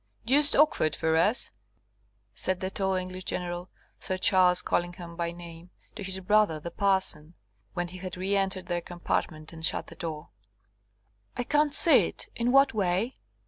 "Deuced awkward for us!" said the tall English general, Sir Charles Collingham by name, to his brother the parson, when he had reëntered their compartment and shut the door. "I can't see it. In what way?"